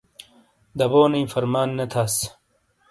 دبونئیی فرمان نے تھاس۔